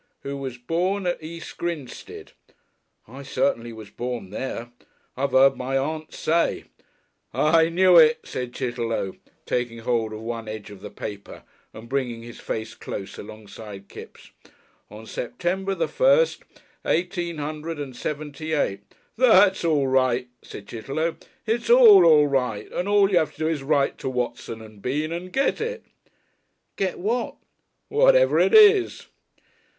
"' who was born at East Grinstead.' I certainly was born there. I've 'eard my Aunt say " "I knew it," said Chitterlow, taking hold of one edge of the paper and bringing his face close alongside Kipps'. "' on September the first, eighteen hundred and seventy eight '" "That's all right," said Chitterlow. "It's all, all right, and all you have to do is write to Watson and Bean and get it " "Get what?" "Whatever it is."